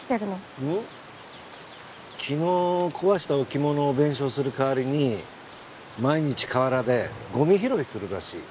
昨日壊した置物を弁償する代わりに毎日河原でゴミ拾いするらしい。